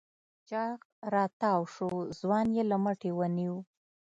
چاغ راتاوشو ځوان يې له مټې ونيو.